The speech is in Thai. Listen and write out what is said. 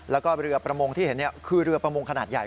แล้วก็เรือประมงที่เห็นคือเรือประมงขนาดใหญ่